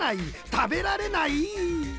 たべられない！